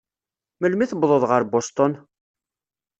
Melmi tewwḍeḍ ɣer Boston?